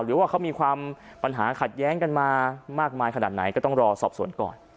หรือว่าเขามีความปัญหาขัดแย้งกันมามากมายขนาดไหนก็ต้องรอสอบสวนก่อน